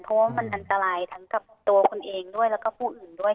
เพราะว่ามันอันตรายทั้งกับตัวคุณเองด้วยแล้วก็ผู้อื่นด้วย